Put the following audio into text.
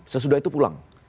sesudah itu pulang